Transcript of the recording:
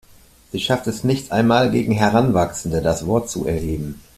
Sie schafft es nicht einmal, gegen Heranwachsende das Wort zu erheben.